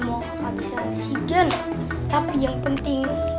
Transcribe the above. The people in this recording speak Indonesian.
mau habiskan segan tapi yang penting